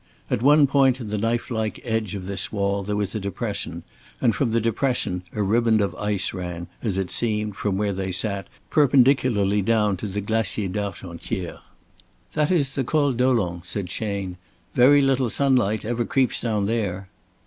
At one point in the knife like edge of this wall there was a depression, and from the depression a riband of ice ran, as it seemed from where they sat, perpendicularly down to the Glacier d'Argentière. "That is the Col Dolent," said Chayne. "Very little sunlight ever creeps down there."